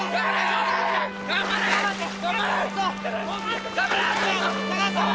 頑張れー！